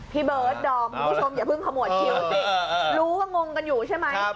พี่บอสดอมคุณผู้ชมอย่าพึ่งขมวดชิ้วสิรู้ว่างงกันอยู่ใช่ไหม